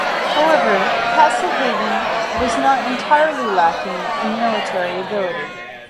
However, Castlehaven was not entirely lacking in military ability.